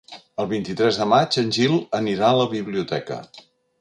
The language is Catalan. El vint-i-tres de maig en Gil anirà a la biblioteca.